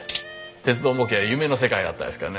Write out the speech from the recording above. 鉄道模型は夢の世界やったんですけどね